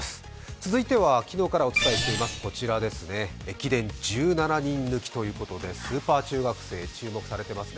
続いては、昨日からお伝えしています、駅伝１７人抜きということでスーパー中学生注目されていますね。